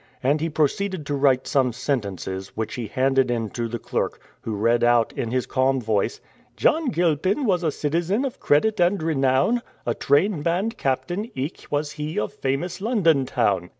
And he proceeded to write some sentences, which he handed in to the clerk, who read out in his calm voice: "John Gilpin was a citizen of credit and renown; a train band captain eke was he of famous London town."